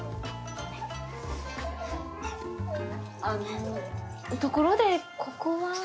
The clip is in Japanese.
あのところでここは？